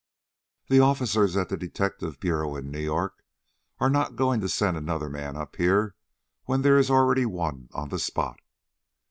"The officers at the detective bureau in New York are not going to send another man up here when there is already one on the spot.